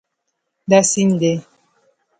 دا سیند دی